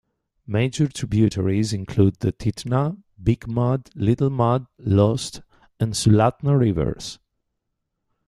Major tributaries include the Titna, Big Mud, Little Mud, Lost, and Sulatna rivers.